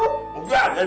ini mahu mahu banget sih